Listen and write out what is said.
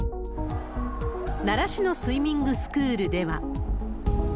奈良市のスイミングスクールでは。